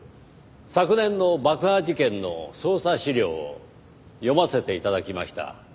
昨年の爆破事件の捜査資料を読ませて頂きました。